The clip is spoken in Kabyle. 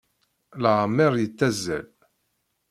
Leɛmer yettazzal.